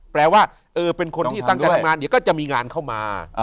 แปลว่าเป็นคนที่ตั้งใจทำงานเดี๋ยวก็จะมีงานเข้ามา